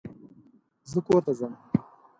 زه کور ته ځم